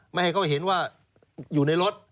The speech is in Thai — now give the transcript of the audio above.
ไม่ให้เขาเห็นว่าอยู่ในรถ